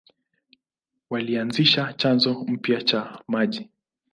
Walianzisha chanzo mpya cha maji.